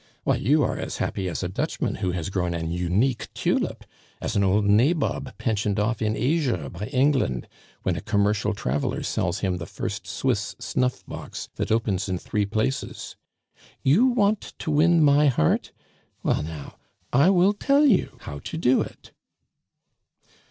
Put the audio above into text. Why, you are as happy as a Dutchman who has grown an unique tulip, as an old nabob pensioned off in Asia by England, when a commercial traveler sells him the first Swiss snuff box that opens in three places. "You want to win my heart? Well, now, I will tell you how to do it."